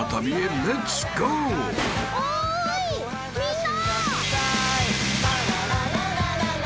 おいみんな。